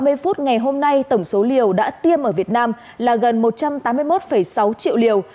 đến một mươi bốn h ba mươi phút ngày hôm nay tổng số liều đã tiêm ở việt nam là gần một trăm tám mươi một sáu triệu liều